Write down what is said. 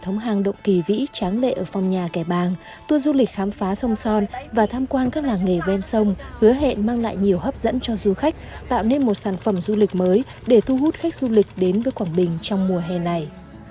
trong hàng động kỳ vĩ tráng lệ ở phong nhà kẻ bàng tuôn du lịch khám phá sông son và tham quan các làng nghề ven sông hứa hẹn mang lại nhiều hấp dẫn cho du khách tạo nên một sản phẩm du lịch mới để thu hút khách du lịch đến với quảng bình trong mùa hè này